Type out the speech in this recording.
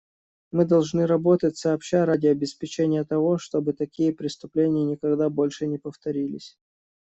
Мы должны работать сообща ради обеспечения того, чтобы такие преступления никогда больше не повторились.